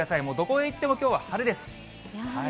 もうどこへ行っても、きょうは晴れです。